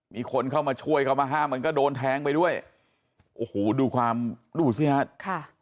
มีคนเข้ามาช่วยเข้ามาห้ามมันก็โดนแทงไปด้วยโอ้โหดูความดูสิฮะค่ะ